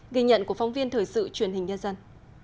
ghi nhận của phóng viên thời sự truyền hình nhân dân